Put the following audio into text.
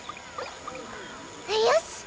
よし！